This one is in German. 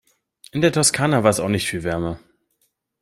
In der Toskana war es auch nicht viel wärmer.